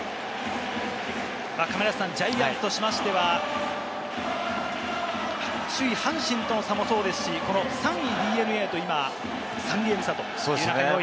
亀梨さん、ジャイアンツとしましては、首位・阪神との差もそうですし、３位・ＤｅＮＡと今３ゲーム差。